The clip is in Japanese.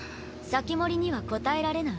防人には答えられない？